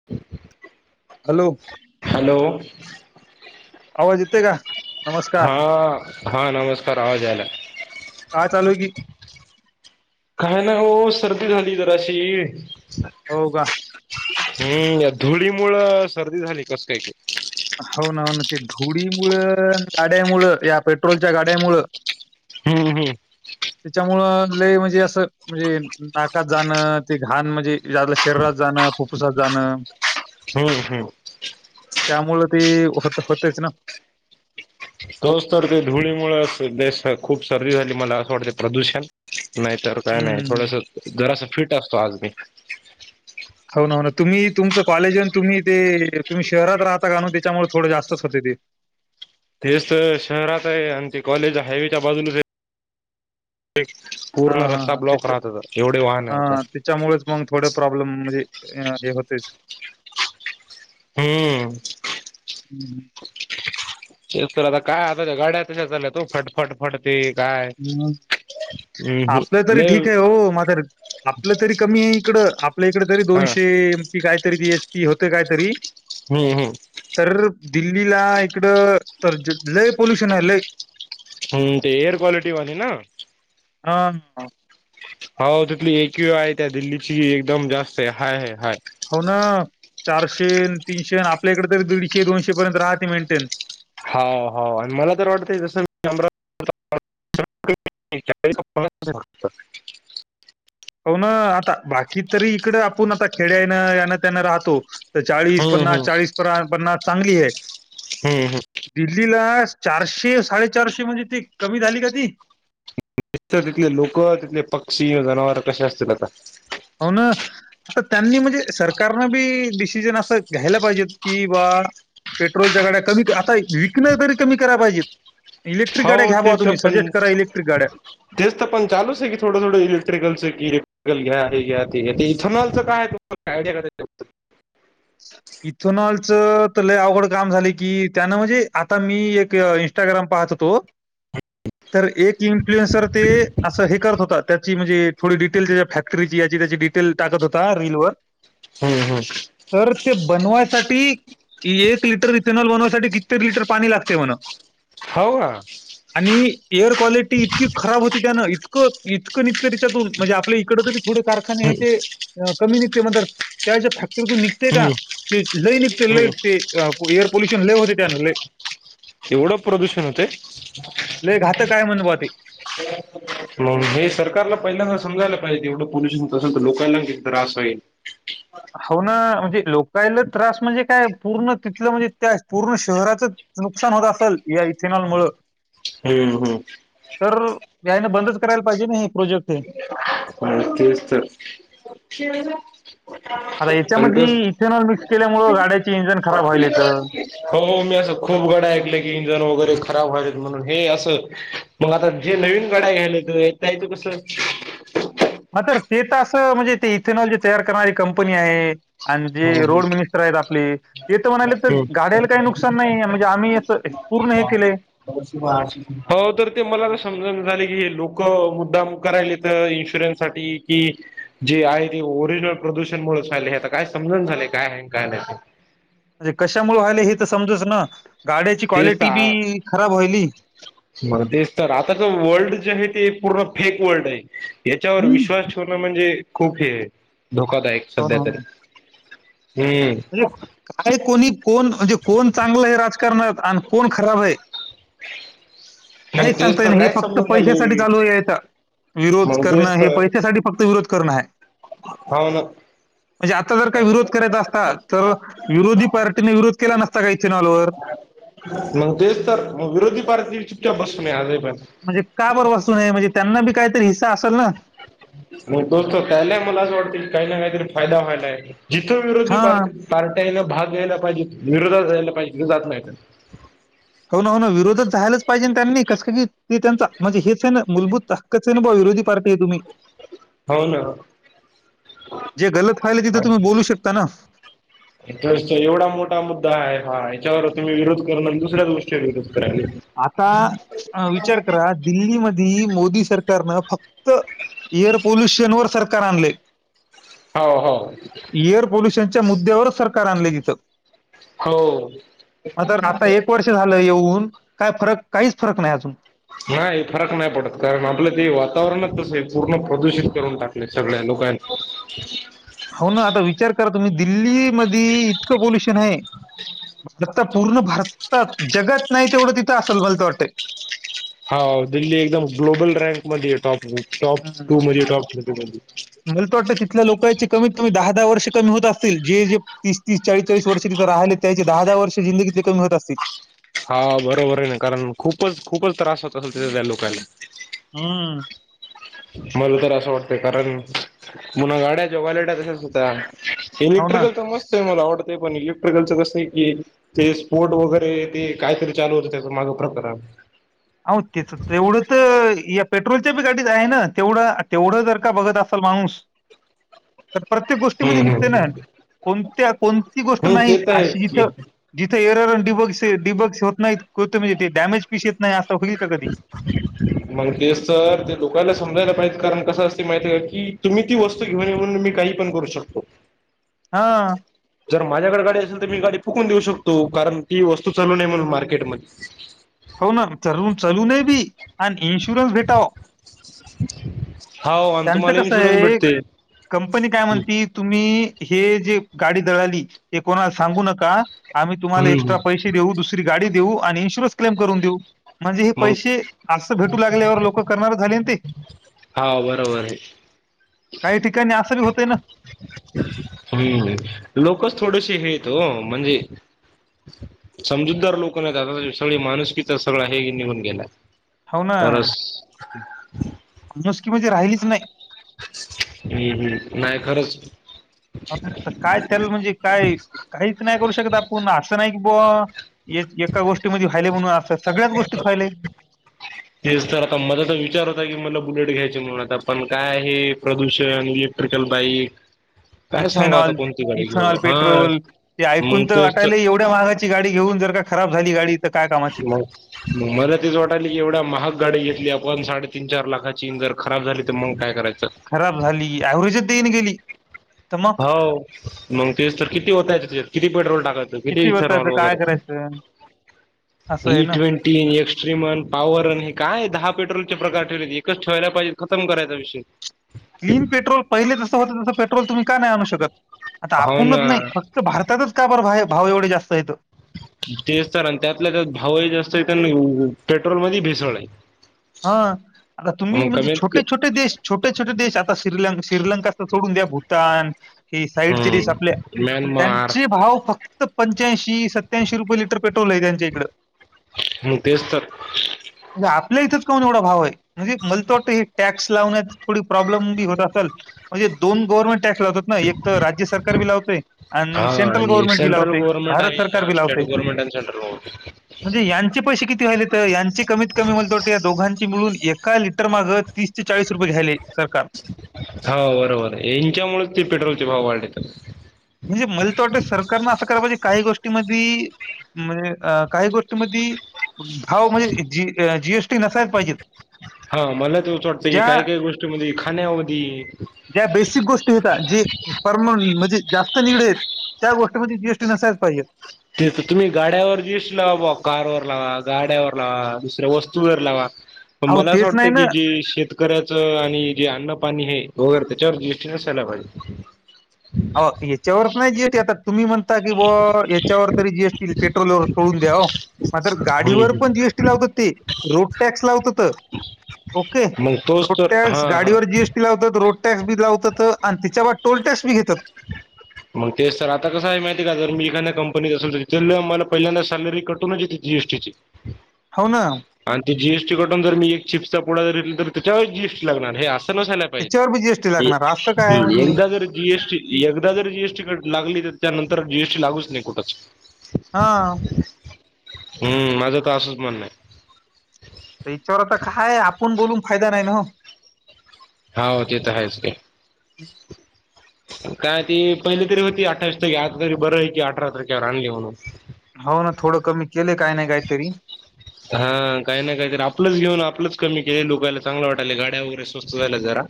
[inaudible] Hello, hello आवाज येतोय का? नमस्कार हा- हा नमस्कार आवाज यायला- काय चालू आहेय की? काय ना हो सर्दी झाली जराशी. हो का? हम्म या धुळीमुळं सर्दी झाली कस काय ते हाव ना हाव ना ते धुळीमुळं आणि गाड्यामुळं या पेट्रोलच्या गाड्यामुळं हम्म हम्म. त्याच्यामुळं लय म्हणजे असं म्हणजे नाकात जाणं ते घाण म्हणजे आपलं शरीरात जाणं फुफ्फुसात जाणं हम्म हम्म. त्यामुळं ती होते होतेच ना. तोच तर ते धुळीमुळे [unintelligible] खूप सर्दी झाली मला असं वाटतं प्रदूषण नाहीतर काय नाही हम्म थोडसा जरासा फिट असतो आज मी हो ना हो ना तुम्ही तुमचं कॉलेज आहे तुम्ही ते तुम्ही शहरात राहता का त्याच्यामुळे थोडे जास्तच होते ते. तेच तर शहरात आहे आणि ते कॉलेज हायवेच्या बाजूला रे. [unintelligible] हा पूर्ण हा रस्ता हा ब्लॉक त्याच्या राहतो एवढे वाहन हा येतात. त्याच्यामुळेच मग थोडे प्रॉब्लेम म्हणजे आ हे होतेच. हम्म. तेच तर आता काय आता त्या गाड्या तशे चाल्या तू फट फटफटते काय हम्म. हम्म आपलं तरी लय ठीक आहे हो, मातारी आपलं तरी कमी आहे इकडं आपल्या इकडे तरी हा दोनशे की कायतरी ती एच पी होते कायतरी हम्म हम्म. तर दिल्लीला इकडं तर ज लय पॉल्युशन आहे लय. हम्म ते एअर क्वालिटीवाली ना. हा मा हो तिथली एक वी आहे त्या दिल्लीची एकदम जास्त हाय आहे हाय. हो ना चारशे तीनशे आपल्याकडे तरी दीडशे दोनशे पर्यंत राहते मेंटेन. हाव हाव आणि मला तर वाटतय जसं नंबर. [unintelligible] [unintelligible] हो ना आता बाकी तरी इकडं आपुण आता खेड्यानं यांना त्यानं राहतो. तर चाळीस हम्म पन्नास, हम्म चाळीस परा पन्नास चांगली आहे. हम्म हम्म. दिल्लीला चारशे साडेचारशे म्हणजे ते कमी झाली का ती? [unintelligible] तिथले लोकं, तिथले पक्षी, जनावर कशे असतील आता? हो ना. आता त्यांनी म्हणजे सरकारनं बी डिसिजन असं घ्यायला पाहिजेत कि बा पेट्रोलच्या गाड्या कमी आता विकण्या तरी कमी करा पाहिजे. इलेक्ट्रिक हो गाड्यावा बावा तुम्हीं सजेस्ट करा इलेक्ट्रिक गाड्या. टेनतर पण चालूच आहे थोडं थोडं इलेक्ट्रिकलचे की. गल घ्या हे घ्या ते घ्या ते इथनॉलचं काय [inaudible] आयडिया. [unintelligible] ह. इथेनॉलचं तर ल अवघड काम झाले की त्यानं म्हणजे आता मी एक इंस्टाग्राम पाहत होतो तर एक इन्फ्लुएन्सर ते असं हे करत होतात. त्याची म्हणजे थोडी डिटेल त्या फॅक्टरीची याची त्याची डिटेल टाकत होता रील वर हम्म हम्. तर ते बनवायसाठी. एक लिटर इथनॉल बनववायसाठी कित्ये लिटर पाणी लागते म्हणा. हो का. आणि एअर क्वालिटी इतकी खराब होती त्यानं इतकं इतकं नतरीिच्यातून म्हणजे आपल्या इकड तरी. थोडे कारखाने हम्म हे ते कमी निघते मणात त्याच्या फॅक्टरीतून निघ. ते का हम्म ते लई निघत ल हम्म ते एअर पोल्युशन लव होते त्या ल. एवढं प्रदूषण होतंय लय घात काय म्हण ब ते. मणून हे सरकारला पहिल्या समजायला पाहिजे एवढं पोल्यशन तसं तर लोकांला किती त्रास होईल. हो ना म्हणजे लोकाला त्रास म्हणजे काय पूर्ण तिथलं म्हणजे त्या पूर्ण शहराचं. नुकसान होत असेल या इथेनॉल मुळं. हम्म हम्. तर यायनं बंदच करायला पाहिजे ना हे प्रोजेक्ट हे. पळत्यवस्त. आता याच्यामध्ये इथेनॉल मिक्स केल्यामुळं गाड्याचे इंजन खराब व्हायल येतं. हो हो मी असं खूप गड्या ऐकले की इंजन वगैरे खराब व्हायत म्हणून हे असं. मग आता जे नवीन गड्या घ्यायलाेत यच कस. ह तर ते तर असं म्हणजे ते इथेनॉलची तयार करणारी कंपनी आहे. आणि जे रोड मिनिस्टर आहेत आपली. य तर म्हणाले तर गाड्याला काही नुकसान नाही म्हणजे आम्ही पूर्ण हे केलंय. हो तर ते मला समज झाले की हे लोक मुद्दा करायले तर इन्शुरन्स. की जे आहे ते ओरिजनल प्रदूषण मु. काय समजण झालेय काय आहे काय नाही ते. म्हणजे कशामुळे व्हाले हे तर समजच ना गाड्याची तेच क्वालिटी बी खराब व्हाली. म तेच तर आताच वर्ल्ड जे आहे ते पूर्ण फेक वर्ल्ड आहे. याच्यावर विश्वास ठेवणं म्हणजे खूप हे धोकादायक सध्या तरी. हम्म म्हणे काय कोणी कोण म्हणजे कोण चांगलं आहे राजण. करणार आणि कोण खराब आहे. ह. काहीच सांगतय नाही हे फक्त पैशासाठी चालू आहे आहेेत. विरोध मग तेच करणं हे पैशासाठी फक्त विरोध करणं आहे. होन. म्हणजे आता जर काही विरोध करायचा असतात तर विरोधी पार्टीने विरोध केला नसता का इथेनॉलवरर. मग तेच तर मग विरोधी पार्टी चुपक्या बसून आजही पण. म्हणजे का बरोब वा असूये म्हणजे त्यांना बी काहीतरी हिस्सा असेल ना. नाही दोस्तो त्याला मला असं वाटतं की काही ना काहीतरी फायदा व्हायला आहे जिथं विरोधी हां. पारथ. पार्ट्यान भाग घ्यायला पाहिजे विरोधात जायला पाहिजे जात नाही. हो ना हो ना विरोधच झायला पाहिजे त्यांनी कस की ते त्यांचा म्हणजे हेच ना मूलभूत हक्कचं आहे ना बा विरोधी पार्टी आहे तुम्ही हो ना जे गलत व्हायलय तिथ तुम्ही बोलू शकता ना तर एवढा मोठा मुद्दा आहे हा याच्यावर तुम्ही विरोध करणार दुसऱ्याच गोष्टीवर विरोध करायला आता विचार करा दिल्ली मधे मोदी सरकारनं फक्त एअर पोल्युशन वर सरकार आणले हो हो एअर पोल्युशनच्या मुद्द्यावरच सरकार आणलं तिथं हो. आता आता वर्ष झालं येऊन काय फरक काहीच फरक नाही अजून नाही फरक नाही पडत कारण आपलं ते वातावरणच तसय पूर्ण प्रदूषित करून टाकले सगळ्या लोकां हो हो ना आता विचार करा तुम्ही दिल्ली मधी इतकं पोल्युशन आहे भार पूर्ण भारतात जगात नाही तेवढं तिथं असेल मलातर वाटतय हा दिल्ली एकदम ग्लोबल रँक मध्ये येतो टॉप टॉप हम्म. टू मध्ये टॉप थ्री मध्ये मला त वाटतं तिथल्या लोकांचे कमीत कमी दहा दहा वर्ष कमी होत असतील जे जे तीस तीस चाळीस चाळीस वर्ष तिथे राहिले त्याची दहा दहा वर्ष जिंदगीतली कमी होत असतील हा बरोबर आहे ना कारण खूपच खूपच त्रास होत असेल तिथत्या लोकांना हम मला तर असं वाटतंय कारण पुन्हा गाड्याच्या वॉलेटा तसच होत्या हो ना इलेक्ट्रिकल तर मस्त आहे मला वाटतंय पण इलेक्ट्रिकलचं कसं आहे की ते स्पोर वगैरे ते कायतरी चालू होतं त्या माग प्रकरण हो तेच तेवढं तर या पेट्रोलच्या बी गाडीत आहे ना तेवढं तेवढं जर का बघत असाल माणूस [inaudible] तर प्रत्येक गोष्टीमध्ये हम्म निघते ना हम्म कोणत्या कोणती गोष्ट हम्म ते नाही तर आहेच अशी इथं की जिथे एरर डिबग्स डिबग्स होत नाहीत म्हणजे ते डॅमेज पिसी येत नाही असं होईल का कधी मग ते सर ते लोकांला समजायला पाहिजे कारण कसं असते माहिती की तुम्ही ती वस्त घर आहे म्हणून मी काही पण करू शकतो हा जर माझ्याकडे गाडी असेल तर मी गाडी फुकून देऊ शकतो कारण ती वस्तू चालू नाही म्हणून मार्केट म हो ना चालू चालू नये ती आणि इन्शुरन्स भेटाव हाव आणि त्यांचं तुम्हाला कसं इन्शुरन्स आहे भेटते कंपनी काय म्हणती तुम्ही हे जे गाडी जळाली हे कोणाला सांगू नका आम्ही तुम्हाला हम्म एक्स्ट्रा पैसे देऊ दुसरी गाडी देऊ आणि इंशुरंस क्लेम करून देऊ म्हणजे हे मग पैसे असं भेटू लागल्यावर लोक करणार झाले ते हा बरोबर आहे. काही ठिकाणी असं बी होतय ना हम्म लोकच थोडशी हेेत हो म्हणजे समजूतदार लोक नाही आ सगळे माणूसकीचा सगळा हे निघून गेला हो खरंच नुसकी म्हणजे राहिलीच नाही हम्म हम्म नाही खरंच काय तेल म्हणजे काय काहीच नाही करू शकत आपण असं नाही की ब एका गोष्टीमध्ये व्हायले म्हणून असं सगळ्याच गोष्टीत व्हायले तेच तर आता मझा तर विचार होता की मला बुलेट घ्यायचे म्हणून आता पण काय आहे प्रदूषण बाईक काय सांगाव आता इथेनॉल कोणती गाडी घेऊ इथेनॉल हा पेट्रोल ते ऐकून मग तर तोच वाटायलय एवढं महागाचीाडी घेऊन जर का खराब झाली गाडी तर काय कामाची. मग मला तेच वाटायलय की एवढ्या महाग गाडी घेतली आपण साडेतीन चार लाखाची जर खराब झाली तर मग काय करायचं खराब झाली व्हेजच देईन गेली तर मग हो मग तेच तर किती होताय त्याच्यात किती पेट्रोल टाकायचं किती इथन होतायचं वॉल् काय वगैरच करायचं? असं आहे ना तीन एक्स्ट्रीम, अन पॉवर अन, हे काय दहा पेट्रोलचे प्रकार ठेवलेत, एकच ठेवायला पाहिजे, खतम करायचा विषय क्लीन पेट्रोल पहिले जसं होतं तसं पेट्रोल तुम्ही का नाही आणू शकत? आता हो आपणच नाही ना भारतातच का बर भाव एवढे जास्त येत? तेच तर, आणि त्यातल्या त्यात भावही जास्त आहेत आणि पेट्रोल मध्ये भेसळ ये. हा, आता तुम्ही म्हणजे क छोटे-छोटे देश छोटे-छोटे देश, आता शील श्रीलंका सोडून द्या भूतान हि साईडचेरीस आपल्या, हम्म म्यानमार त्यांचे भाव फक्त फ पंच्याऐंशी, सत्त्याऐंशी, रुपये लिटर पेट्रोल आहे त्यांच्या इकडं. म तेच तर म्हणजे आपल्या इथं एवढा भाव आहे, म्हणजे मलतोट टॅक्स लावण्यात थोडी प्रॉब्लेम बी होत असल. म्हणज दोन गव्हरमेंट टॅक्स लावतात एक तर राज्य सरकार बी लावतय, हा आणि सेंट्रल आणि गव्हर्नमेंट बी सेंट्रल लावते, भारत सरकार बी लावते. हो. म्हणजे यांचे पैसे किती व्हालेत, यांचे कमीत कमी म्हणल तो या दोघांची मिळून, एका लिटर माग तीस ते चाळीस रुपये घ्यालेय सरकार. हो, बरोबर. इंच्यामुळेच ते पेट्रोलचे भाव वाढलेत. म्हणजे मला तर वाटत, सरकारनं असं करा पाहिजे काही गोष्टी म म्हणजे अ काही गोष्टी मधी, भाव म्हणजे जी जी. एस. टी नसायला पाहिजेत. हा मला तसच वाटतं, की ज्या काय काही गोष्टी मधी, खाण्यामध्ये ज्या बेसिक गोष्टी होेतात, जे परमान म्हणजे जास्त निगडे, त्या गोष्टीमध्ये जीएसटी नसायच पाहिजे. ते तर तुम्ही गाड्यावर जी. एस. टी लावा बा, कारवर लावा, गाड्यावर लावा, दुसऱ्या वस्तूवर लावा. अहो मला असं तेच वाटतं नाही ना की, जी शेत शेतकऱ्याचं, आणि जे अन्न पाणी हे वैगेरे त्याच्यावर जी. एस. टी नसायला पाहिजे. हो, हेच्यावर पण हाय जी. एस. टी आता तुम्ही म्हणता की बावा, याच्यावर तरी जी. एस. टी पेट्रोलवर कळून द्या मात्र हम्म गाडीवर हम्म पण जी. एस. टी लावतात ते, रोड टॅक्स लावतात. ओके, मग तोच रोड तर टॅक्स, हां हां गाडीवर जी. एस लावतात, रोड टॅक्स बी लावतात, आणि त्याच्यावर टोल टॅक्स बी घेतात. [inaudible] मग तेच तर आता कसं आहे माहिती आहे का, जर मी एखाद्या कंपनीत असल मला पहिल्यांदा सॅलरी कटूनच येते जी. एस. टी. ची. [inaudible] हो ना. आणि ती जी. एस. टी कडून जर मी एक चिप्सचा पुडा जरी घेतला तर, त्याच्यावर जी. एस. टी लागणार, हे असं नसाला एकदा ज त्याच्यावर बी जीएसटी जी. लागणार असं एस. काय आहे टी म्हणजे एकदा जर जी. एस. टी लागली तर, त्यानंतर जी. एस. टी लागूच नाही कुठंच. हा. हम्म! माझं तर असंच म्हण आहे. याच्यावर आता काय आपण बोलून फायदा नाही ना हो? हा हो, ते तर आहेच की. काय ती पहिली तरी होती अठ्ठावीस, तारखे आता तरी बरं आहे की, अठरा तारखेवर आणली म्हणून. हो ना, थोडं कमी केले, काय नाही काही तरी. [inaudible] हा काही ना काहीतरी आपलंच घेऊन आपलंच कमी केले लोकाला चांगलं वाटाय गाड्या वगैरे स्वस्त झाल्या जरा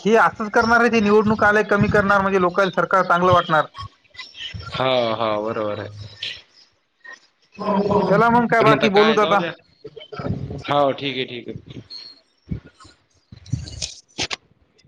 हे असंच करणार आहे जे निवडणूका आल्याय कमी करणार म्हणजे लोक सरकार चांगलं वाटणार हा हा बरोबर आहे चला मग काय पता बाकी काय बोलूत जाऊ आता. द्या हो ठीक आहे ठीक आहे